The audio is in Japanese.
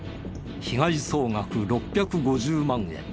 被害総額６５０万円。